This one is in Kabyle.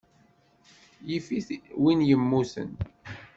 Yif-it win yemmuten.